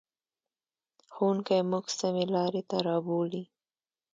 ښوونکی موږ سمې لارې ته رابولي.